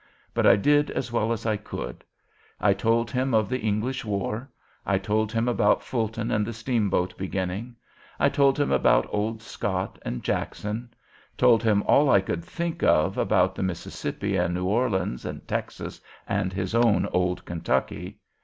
But I did as well as I could. I told him of the English war. I told him about Fulton and the steamboat beginning. I told him about old Scott, and Jackson; told him all I could think of about the Mississippi, and New Orleans, and Texas, and his own old Kentucky.